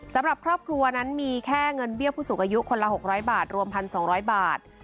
สำหรับครอบครัวนั้นมีแค่เงินเบี้ยผู้สูงอายุคนละ๖๐๐บาทรวม๑๒๐๐บาท